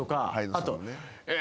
あと。